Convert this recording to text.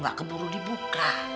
gak keburu dibuka